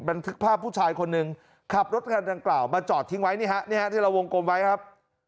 บันทึกภาพผู้ชายคนหนึ่งขับรถคันดังกล่าวมาจอดทิ้งไว้นี่ฮะนี่ฮะที่เราวงกลมไว้ครับ